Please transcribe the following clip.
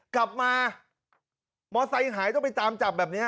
กลับมามอไซค์หายต้องไปตามจับแบบนี้